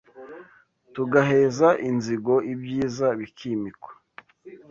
Tugaheza inzigo i Byiza bikimikwa